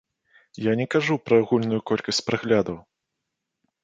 Я не кажу пра агульную колькасць праглядаў!